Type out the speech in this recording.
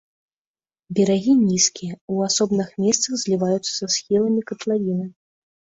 Берагі нізкія, у асобных месцах зліваюцца са схіламі катлавіны.